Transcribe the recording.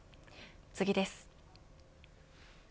次です。